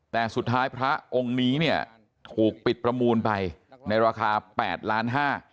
แต่สุดท้ายพระองค์นี้เนี่ยถูกปิดประมูลไปในราคาแปดล้านห้า